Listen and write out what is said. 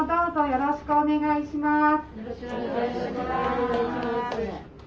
よろしくお願いします。